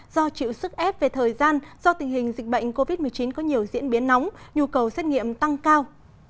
do chịu sức ép về thời gian do tình hình dịch bệnh covid một mươi chín có nhiều diễn biến nóng nhu cầu xét nghiệm tăng cao